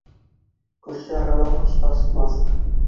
Күрше арала булыш ҡасмаҫ